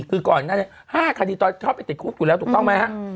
คือก่อนนั้น๕คดีต้องไปติดคุกอยู่แล้วถูกต้องไหมฮะ